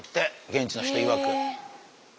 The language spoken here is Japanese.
現地の人いわく。